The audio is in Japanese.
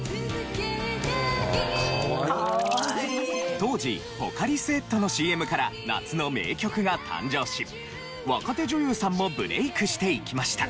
当時ポカリスエットのＣＭから夏の名曲が誕生し若手女優さんもブレイクしていきました。